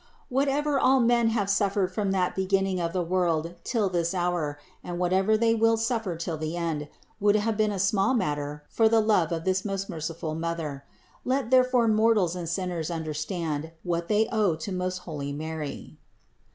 Whatever all men have suffered from the be ginning of the world till this hour, and whatever they will suffer till the end, would have been a small matter for the love of this most merciful Mother. Let therefore 44 CITY OF GOD mortals and sinners understand what they owe to most holy Mary.